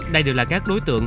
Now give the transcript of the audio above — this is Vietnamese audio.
đây đều là các đối tượng